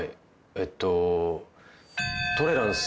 えっとトレランス